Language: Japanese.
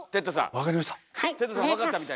分かりました。